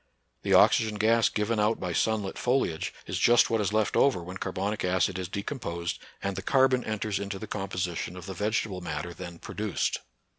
The oxygen gas given out by sun lit foliage is just what is left over when carbonic acid is decomposed and the carbon enters into the composition of the vegetable matter then produced.